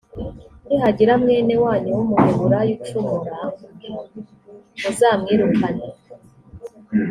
nihagira mwene wanyu w’umuhebureyi ucumura muzamwirukane